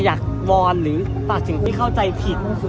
วอนหรือตัดสิ่งที่เข้าใจผิด